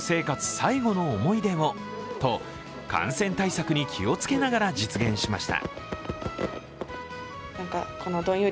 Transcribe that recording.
最後の思い出をと感染対策に気をつけながら実現しました。